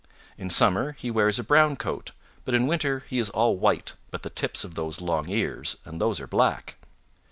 In summer he wears a brown coat, but in winter he is all white but the tips of those long ears, and those are black.